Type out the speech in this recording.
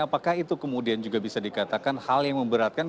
apakah itu kemudian juga bisa dikatakan hal yang memberatkan